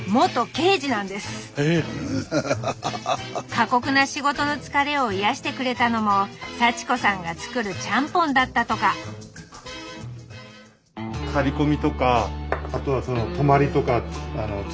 過酷な仕事の疲れを癒やしてくれたのも幸子さんが作るちゃんぽんだったとかスタジオうんいいね。